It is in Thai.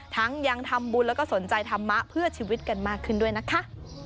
ยังทำบุญแล้วก็สนใจธรรมะเพื่อชีวิตกันมากขึ้นด้วยนะคะ